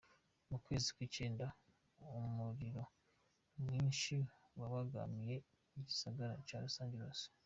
Mu kwezi kw'icenda, umuriro mwinshi warabangamiye igisagara ca Los Angeles.